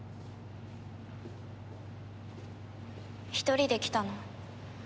１人で来たの？